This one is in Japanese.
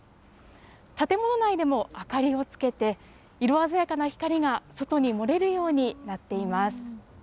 建物内でも明かりをつけて、色鮮やかな光が外に漏れるようになっています。